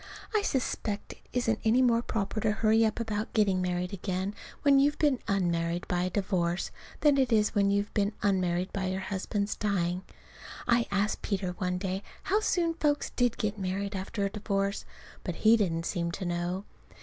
I suspect it isn't any more proper to hurry up about getting married again when you've been _un_married by a divorce than it is when you've been unmarried by your husband's dying. I asked Peter one day how soon folks did get married after a divorce, but he didn't seem to know.